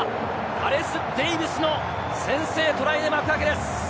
ガレス・デーヴィスの先制トライで幕開けです。